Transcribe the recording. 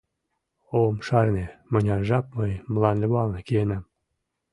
Ом шарне, мыняр жап мый мландывалне киенам.